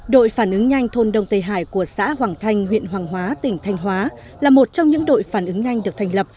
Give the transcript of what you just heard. đội phản ứng nhanh thôn đông tây hải của xã hoàng thanh huyện hoàng hóa tỉnh thanh hóa là một trong những đội phản ứng nhanh được thành lập